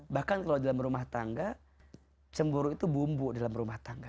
bahkan kalau dalam rumah tangga cemburu itu bumbu dalam rumah tangga